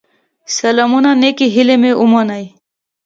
سلامونه نيکي هيلي مي ومنئ